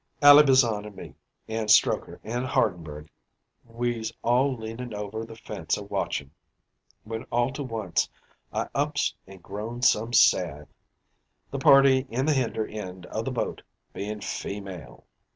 "Ally Bazan an' me, an' Strokher an' Hardenberg, we's all leanin' over the fence a watchin'; when all to once I ups an' groans some sad. The party in the hinder end o' the boat bein' feemale.